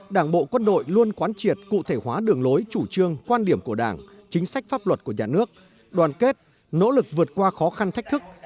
đảng bộ quân đội luôn quán triệt cụ thể hóa đường lối chủ trương quan điểm của đảng chính sách pháp luật của nhà nước đoàn kết nỗ lực vượt qua khó khăn thách thức